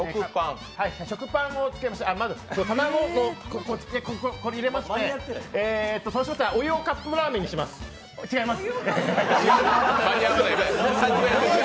まず、卵をここ入れまして、そうしましたら、お湯をカップラーメンにします、違います。